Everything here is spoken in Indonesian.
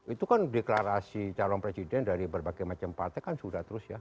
itu kan deklarasi calon presiden dari berbagai macam partai kan sudah terus ya